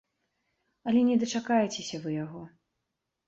Але не дачакаецеся вы яго.